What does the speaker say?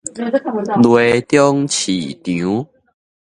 犁忠市場